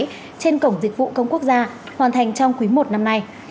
trên cổng dịch vụ công quốc gia hoàn thành trong quý i năm nay